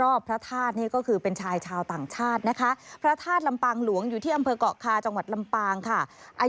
สมมุติไงเป็นพารามอเตอร์ไง